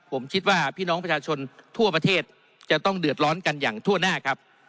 ผมคิดว่าพี่น้องประชาชนทั่วประเทศจะต้องเดือดร้อนกันอย่างทั่วหน้าครับ